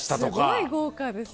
すごい豪華ですね。